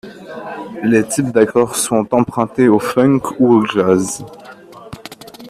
Les types d'accords sont empruntés au funk ou au jazz.